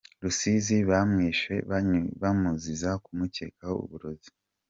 Rusizi Bamwishe bamuziza kumukekaho uburozi